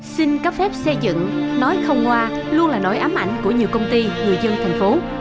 xin cấp phép xây dựng nói không ngoa luôn là nỗi ám ảnh của nhiều công ty người dân tp hcm